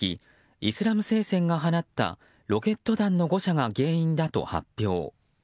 イスラム聖戦が放ったロケット弾の誤射が原因だと発表。